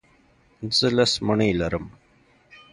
زه لس مڼې لرم.